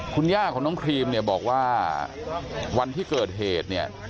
คุณย่าของน้องครีมเนี่ยบอกว่าวันที่เกิดเหตุเนี่ย